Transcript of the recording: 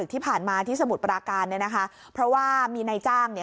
ที่ผ่านมาที่สมุทรปราการเนี่ยนะคะเพราะว่ามีนายจ้างเนี่ย